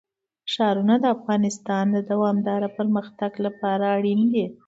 ښارونه د افغانستان د دوامداره پرمختګ لپاره اړین دي.